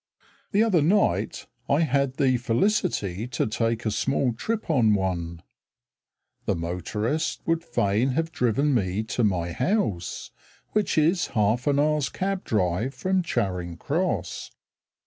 The other night I had the felicity to take a small trip on one. The motorist would fain have driven me to my house, Which is half an hour's cab drive from Charing Cross.